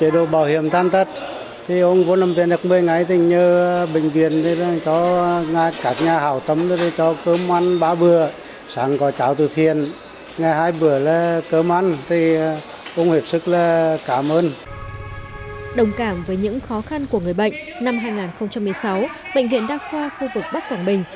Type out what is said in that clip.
đồng cảm với những khó khăn của người bệnh năm hai nghìn một mươi sáu bệnh viện đa khoa khu vực bắc quảng bình